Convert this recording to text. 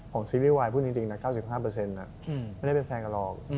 ซีรีส์วายพูดจริงนะ๙๕ไม่ได้เป็นแฟนกันหรอก